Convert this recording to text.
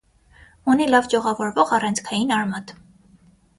Ունի լավ ճյուղավորվող առանցքային արմատ։